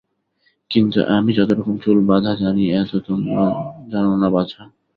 কিন্তু আমি যতরকম চুল-বাঁধা জানি এত তোমরাও জান না বাছা।